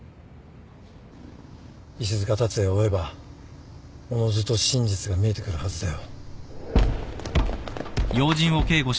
石塚辰也を追えばおのずと真実が見えてくるはずだよ。